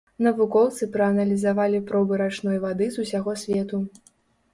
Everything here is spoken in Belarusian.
Навукоўцы прааналізавалі пробы рачной вады з усяго свету.